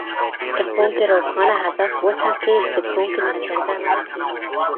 که ښوونکی روښانه هدف وټاکي، زده کوونکي سرګردانه نه کېږي.